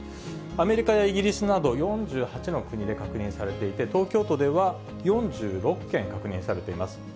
アメリカやイギリスなど、４８の国で確認されていて、東京都では４６件確認されています。